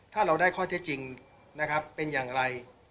ถ้าเราได้ข้อเท็จจริงนะครับเป็นอย่างไร